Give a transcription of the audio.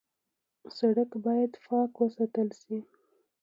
سړک باید پاک وساتل شي.